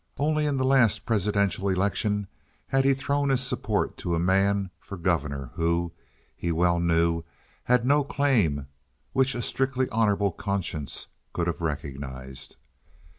Only in the last presidential election he had thrown his support to a man for Governor who, he well knew, had no claim which a strictly honorable conscience could have recognized.